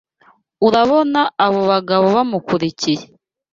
Urabona abo bagabo bamukurikiye